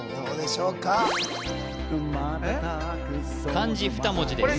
漢字２文字です